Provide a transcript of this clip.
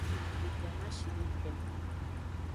Devi amashideke.